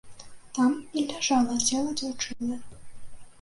Там і ляжала цела дзяўчыны.